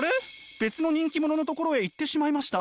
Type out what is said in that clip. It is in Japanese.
別の人気者のところへ行ってしまいました。